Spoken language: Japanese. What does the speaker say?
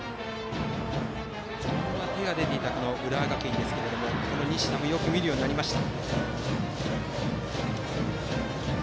序盤は手が出ていた浦和学院ですけれども西田もよく見るようになりました。